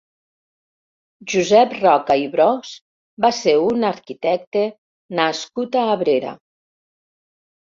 Josep Roca i Bros va ser un arquitecte nascut a Abrera.